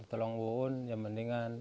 tolong bu un ya mendingan